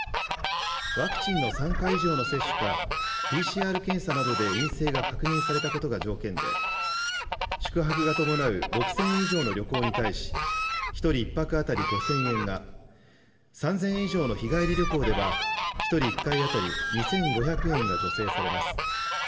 ワクチンの３回以上の接種か、ＰＣＲ検査などで陰性が確認されたことが条件で、宿泊が伴う６０００円以上の旅行に対し、１人１泊当たり５０００円が、３０００円以上の日帰り旅行では、１人１回当たり２５００円が助成されます。